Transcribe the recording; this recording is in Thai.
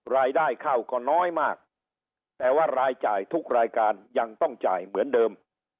รายได้เข้าก็น้อยมากแต่ว่ารายจ่ายทุกรายการยังต้องจ่ายเหมือนเดิม